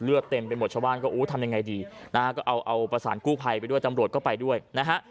เลือดเต็มไปหมดชาวบ้านก็ทำยังไงดีก็เอาประสานกู้ภัยไปด้วยจำรวจก็ไปด้วยนะฮะ